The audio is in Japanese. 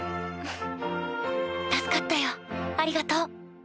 助かったよありがとう。